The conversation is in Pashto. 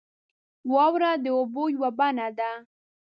• واوره د اوبو یوه بڼه ده.